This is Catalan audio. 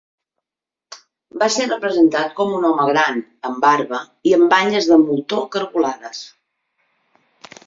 Va ser representat com un home gran amb barba i amb banyes de moltó cargolades.